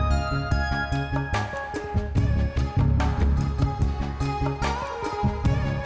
kalian selalu sedang mengacu diza baik saja